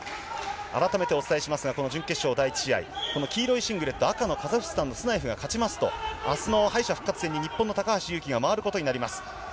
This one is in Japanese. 改めてお伝えしますがこの準決勝第１試合、カザフスタンのサナエフが勝ちますと、あすの敗者復活戦に日本の高橋侑希が回ることになります。